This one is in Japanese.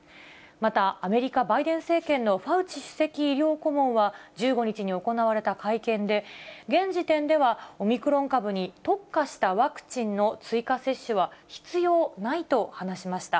また、アメリカ、バイデン政権のファウチ首席医療顧問は、１５日に行われた会見で、現時点ではオミクロン株に特化したワクチンの追加接種は必要ないと話しました。